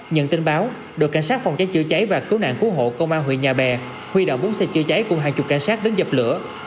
nhận tin báo đội cảnh sát phòng cháy chữa cháy và cứu nạn cứu hộ công an huyện nhà bè huy động bốn xe chữa cháy cùng hàng chục cảnh sát đến dập lửa